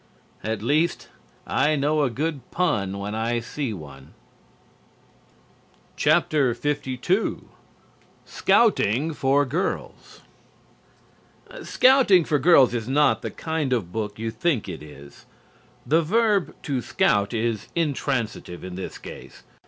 At least, I know a good pun when I see one. LII "SCOUTING FOR GIRLS" "Scouting for Girls" is not the kind of book you think it is. The verb "to scout" is intransitive in this case.